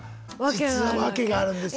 実は訳があるんです